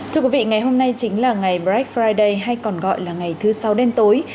thưa quý vị ngày hôm nay chính là ngày black friday hay còn gọi là ngày thứ sáu đêm tối